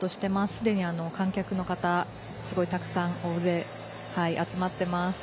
すでに観客の方、すごいたくさん、大勢、集まっています。